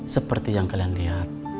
seperti yang kalian lihat